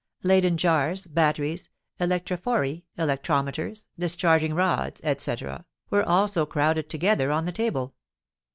Leyden jars, batteries, electrophori, electrometers, discharging rods, &c., were also crowded together on the table.